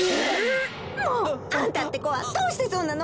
もうあんたってこはどうしてそうなの？